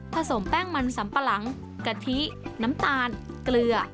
สมแป้งมันสำปะหลังกะทิน้ำตาลเกลือ